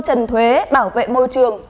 trần thuế bảo vệ môi trường